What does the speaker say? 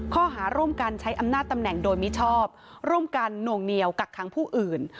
ข้อหาร่วมกันใช้อำนาจตำแหน่งโดยมิชอบร่วมกันหน่วงเหนียวกักขังผู้อื่น